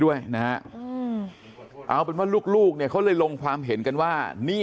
ด้วยนะฮะเอาเป็นว่าลูกเนี่ยเขาเลยลงความเห็นกันว่านี่